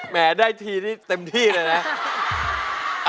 ได้ทีนี่เต็มที่เลยนะ